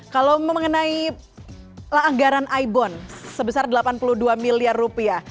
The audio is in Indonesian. kalau mengenai anggaran ibon sebesar delapan puluh dua miliar rupiah